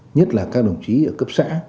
nhất là các đồng chí ở cấp xã